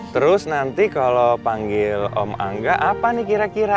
terus nanti kalau panggil om angga apa nih kira kira